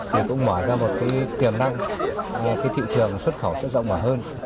thì cũng mở ra một tiềm năng để thị trường xuất khẩu sẽ rộng mở hơn